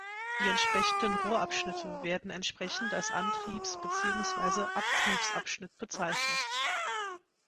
Die entsprechenden Rohrabschnitte werden entsprechend als Antriebs- bzw. Abtriebsabschnitt bezeichnet.